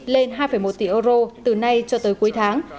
lên hai một tỷ euro từ nay cho tới cuối tháng